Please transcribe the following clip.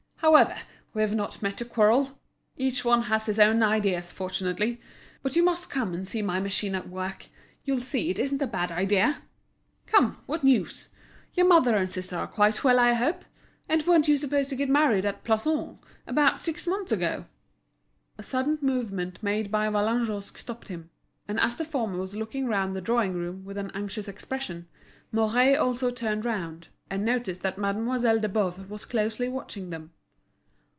However, we've not met to quarrel. Each one has his own ideas, fortunately. But you must come and see my machine at work; you'll see it isn't a bad idea. Come, what news? Your mother and sisters are quite well, I hope? And weren't you supposed to get married at Plassans, about six months ago?" A sudden movement made by Vallagnosc stopped him; and as the former was looking round the drawing room with an anxious expression, Mouret also turned round, and noticed that Mademoiselle de Boves was closely watching them.